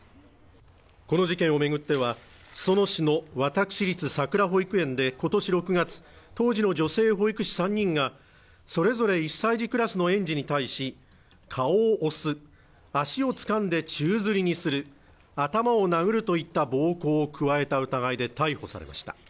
この事件をめぐっては裾野市の私立さくら保育園で今年６月当時の女性保育士３人がそれぞれ１歳児クラスの園児に対し顔を押す、足をつかんで宙吊りにする頭を殴るといった暴行を加えた疑いで逮捕されました